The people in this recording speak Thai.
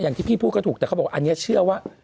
อย่างที่พี่พูดก็ถูกแต่เขาบอกอันนี้เชื่อว่า